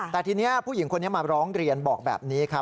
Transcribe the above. แต่ทีนี้ผู้หญิงคนนี้มาร้องเรียนบอกแบบนี้ครับ